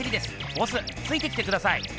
ボスついてきてください！